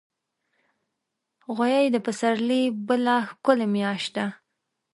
غویی د پسرلي بله ښکلي میاشت ده.